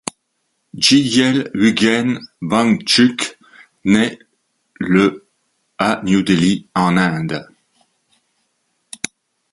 Jigyel Ugyen Wangchuck naît le à New Delhi, en Inde.